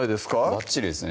ばっちりですね